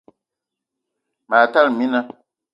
Ma tala mina